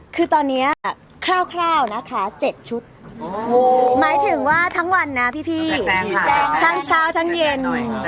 คือตอนนี้คร่าวนะคะ๗ชุดหมายถึงว่าทั้งวันนะพี่ทั้งเช้าทั้งเย็น